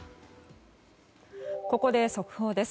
ここで速報です。